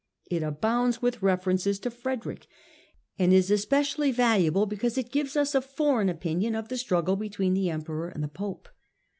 It abounds with references to Frederick, and is especially valuable because it gives us a foreign opinion of the struggle between the Emperor and the Pope.